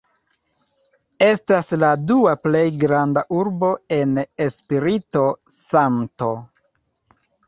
Estas la dua plej granda urbo en Espirito-Santo.